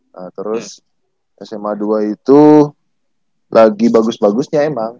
nah terus sma dua itu lagi bagus bagusnya emang